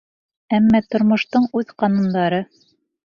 Әммә тормоштоң үҙ ҡанундары.